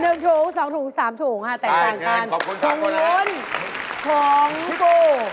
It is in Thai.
๑ถุง๒ถุง๓ถุงแต่ต่างการถุงร้นของกู